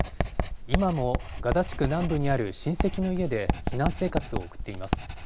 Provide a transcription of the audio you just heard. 今もガザ地区南部にある親戚の家で避難生活を送っています。